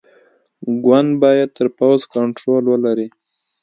ګوند باید پر پوځ کنټرول ولري.